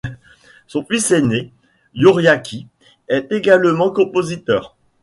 Son fils aîné, Yoriaki, est également compositeur.